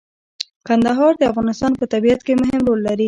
کندهار د افغانستان په طبیعت کې مهم رول لري.